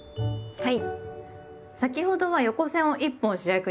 はい。